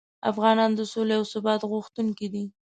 افغانان د سولې او ثبات غوښتونکي دي.